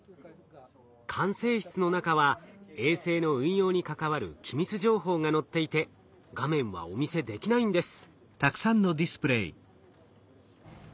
管制室の中は衛星の運用に関わる機密情報が載っていて画面はお見せできないんです。